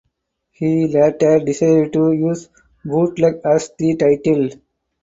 He later decided to use "Bootleg" as the title.